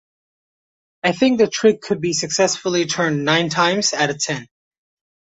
I think the trick could be successfully turned nine times out of ten.